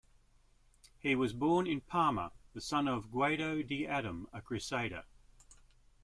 He was born in Parma, the son of Guido di Adam, a crusader.